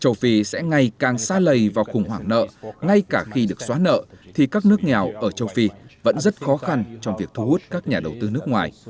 châu phi sẽ ngày càng xa lầy vào khủng hoảng nợ ngay cả khi được xóa nợ thì các nước nghèo ở châu phi vẫn rất khó khăn trong việc thu hút các nhà đầu tư nước ngoài